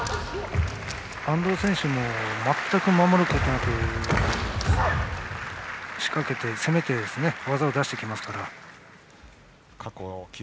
安藤選手も全く守ることなく仕掛けて、攻めて技を出してきますから。